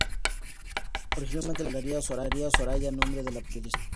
Originalmente la canción se titularía "Soraya", nombre de la periodista.